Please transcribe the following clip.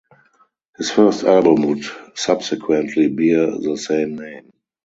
His first album would subsequently bear the same name.